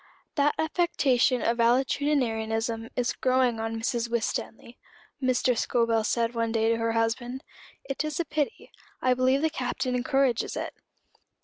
"That affectation of valetudinarianism is growing on Mrs. Winstanley," Mrs. Scobel said one day to her husband. "It is a pity. I believe the Captain encourages it."